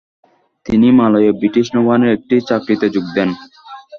তিনি মালয়ে ব্রিটিশ নৌবাহিনীর একটি চাকরিতে যোগ দেন।